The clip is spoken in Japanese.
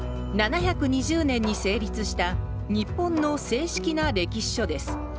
７２０年に成立した日本の正式な歴史書です。